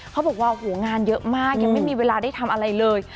เขาบอกว่าโอ้โหงานเยอะมากยังไม่มีเวลาได้ทำอะไรเลย